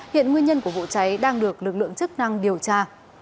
hiện nguyên nhân của vụ cháy đang được lực lượng chức năng điều tra